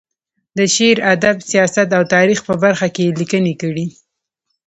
د شعر، ادب، سیاست او تاریخ په برخه کې یې لیکنې کړې.